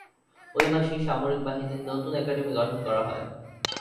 ঐ মাসেই সামরিক বাহিনীর নতুন অ্যাকাডেমি গঠন করা হয়।